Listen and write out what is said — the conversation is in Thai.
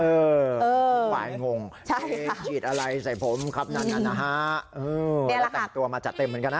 ทุกฝ่ายงงขีดอะไรใส่ผมครับนั่นน่ะนะฮะเออแล้วแต่งตัวมาจัดเต็มเหมือนกันนะ